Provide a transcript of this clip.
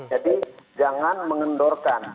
jadi jangan mengendorkan kewaspadaan